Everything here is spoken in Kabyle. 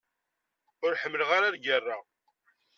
Ur ḥemmleɣ ara lgerra.